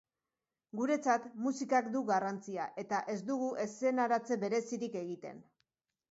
Guretzat musikak du garrantzia, eta ez dugu eszenaratze berezirik egiten.